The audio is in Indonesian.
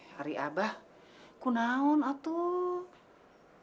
hari obah kenaon atuh